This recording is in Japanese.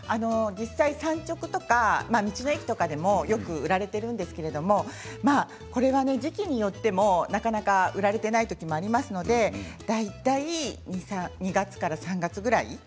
産直とか、道の駅とかでもよく売られているんですけどもこれは時期によってもなかなか売られていない時もありますので大体２月から３月ぐらい。